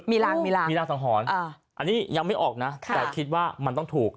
มีรางสังหรณ์อันนี้ยังไม่ออกนะแต่คิดว่ามันต้องถูก